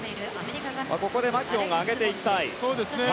ここでマキュオンが上げていきたい。